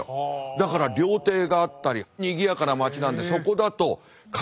だから料亭があったりにぎやかな街なんでそこだとへえ。